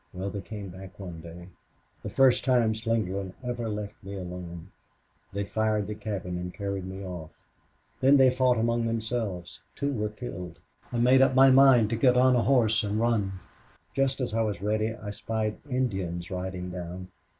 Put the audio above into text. Well, they came back one day, the first time Slingerland ever left me alone. They fired the cabin and carried me off. Then they fought among themselves. Two were killed. I made up my mind to get on a horse and run. Just as I was ready I spied Indians riding down.